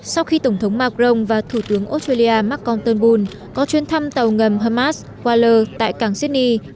sau khi tổng thống macron và thủ tướng australia macon turnbull có chuyến thăm tàu ngầm hamas waller tại cảng sydney